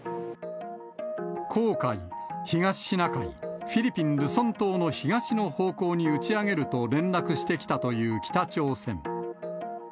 黄海、東シナ海、フィリピン・ルソン島の東の方向に打ち上げると連絡してきたという北朝鮮。